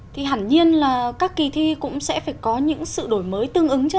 thì hẳn nhiên là các kỳ thi cũng sẽ phải có những sự đổi mới tương ứng chứ ạ